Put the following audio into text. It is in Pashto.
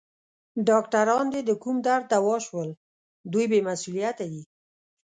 ډاکټران دي د کوم درد دوا شول؟ دوی بې مسؤلیته دي.